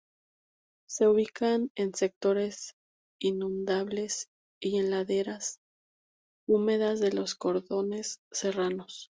Se ubican en sectores inundables y en laderas húmedas de los cordones serranos.